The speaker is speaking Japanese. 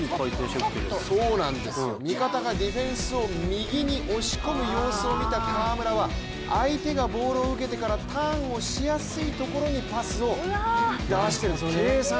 味方がディフェンスを右に押し込む様子を見た河村は相手がボールを受けてからターンをしやすいところにパスを出してるんです。